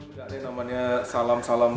ini namanya salam salam